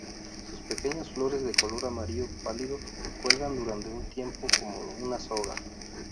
Sus pequeñas flores, de color amarillo pálido, cuelgan durante un tiempo como una soga.